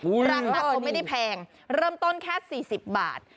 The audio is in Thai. ราคาก็ไม่ได้แพงเริ่มต้นแค่๔๐บาท